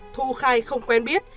thu khai không quen biết